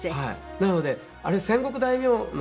なのであれ戦国大名の。